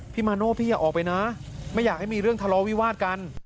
มาโน่พี่อย่าออกไปนะไม่อยากให้มีเรื่องทะเลาวิวาสกัน